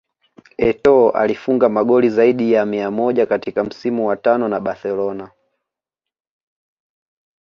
Etoo alifunga magoli zaidi ya mia moja katika msimu wa tano na Barcelona